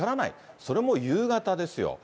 それも夕方ですよ。